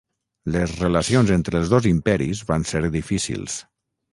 Les relacions entre els dos imperis van ser difícils.